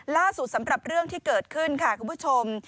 สำหรับเรื่องที่เกิดขึ้นค่ะคุณผู้ชม